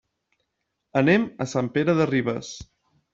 Anem a Sant Pere de Ribes.